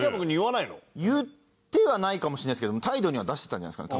言ってはないかもしれないですけど態度には出してたんじゃないですかね